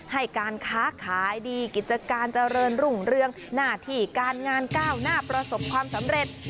ให้การค้าขายดีกิจการเจริญรุ่งเรืองหน้าที่การงานก้าวหน้าประสบความสำเร็จ